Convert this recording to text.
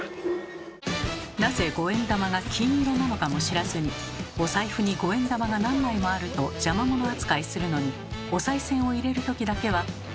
なぜ五円玉が金色なのかも知らずにお財布に五円玉が何枚もあると邪魔者扱いするのにおさいせんを入れる時だけは。